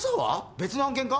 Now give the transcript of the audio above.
別の案件か？